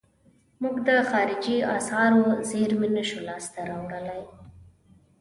موږ د خارجي اسعارو زیرمې نشو لاس ته راوړلای.